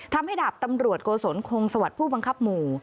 ดาบตำรวจโกศลคงสวัสดิ์ผู้บังคับหมู่